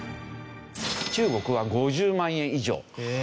中国は５０万円以上。